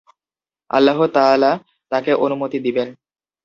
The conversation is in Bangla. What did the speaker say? আল্লাহ তা‘আলা তাকে অনুমতি দিবেন।